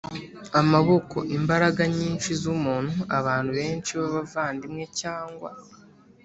amaboko: imbaraga nyinshi z’umuntu, abantu benshi b’abavandimwe cyangwa